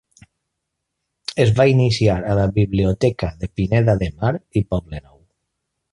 Es va iniciar a la biblioteca de Pineda de Mar i Poblenou.